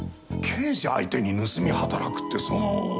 刑事相手に盗み働くってその手帳